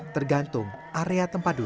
tergantung area tempatnya